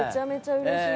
うれしい！